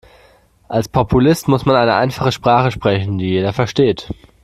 Als Populist muss man eine einfache Sprache sprechen, die jeder versteht.